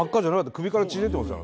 首から血出てますよ